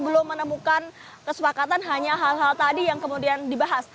belum menemukan kesepakatan hanya hal hal tadi yang kemudian dibahas